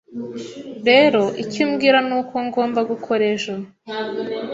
Rero, icyo umbwira nuko ngomba gukora ejo.